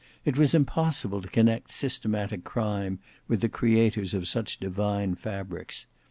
It was impossible to connect systematic crime with the creators of such divine fabrics.